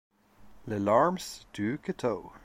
"Les Larmes Du Couteau".